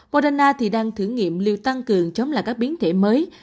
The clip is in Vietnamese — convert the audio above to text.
moderna thì đang thử nghiệm lưu tăng cường chống lại các biến thể mới